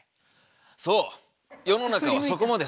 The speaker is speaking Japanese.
そう。